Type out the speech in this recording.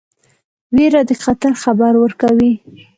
ویره د خطر خبر ورکوي.